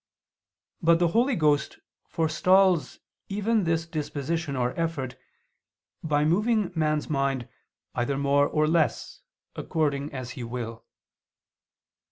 But the Holy Ghost forestalls even this disposition or effort, by moving man's mind either more or less, according as He will.